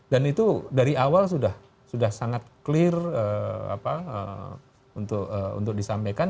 dan itu dari awal sudah sangat clear untuk disampaikan